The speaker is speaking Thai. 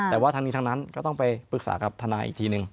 แต่ว่าทั้งนี้ทั้งนั้นก็ต้องไปปรึกษากับทนายอีกทีหนึ่ง